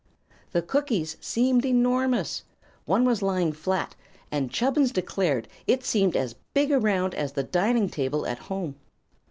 The cookies seemed enormous. One was lying flat, and Chubbins declared it seemed as big around as the dining table at home.